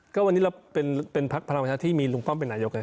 ก็วันนี้เราเป็นพลังประชาที่มีลุงป้อมเป็นนายโยคเนี่ย